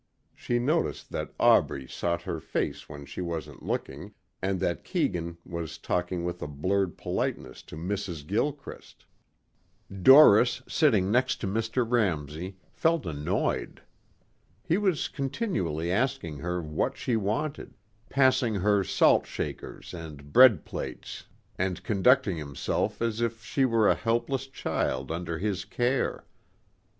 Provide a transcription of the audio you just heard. She noticed that Aubrey sought her face when she wasn't looking and that Keegan was talking with a blurred politeness to Mrs. Gilchrist. Doris sitting next to Mr. Ramsey felt annoyed. He was continually asking her what she wanted, passing her salt shakers and bread plates and conducting himself as if she were a helpless child under his care.